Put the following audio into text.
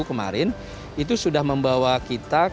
ke luar negara dan kembali ke negara negara yang berada di luar negara